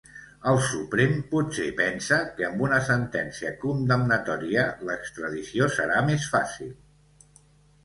El Suprem potser pensa que amb una sentència condemnatòria l’extradició serà més fàcil.